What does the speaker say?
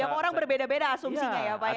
setiap orang berbeda beda asumsinya ya pak ya